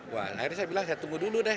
wah akhirnya saya bilang saya tunggu dulu deh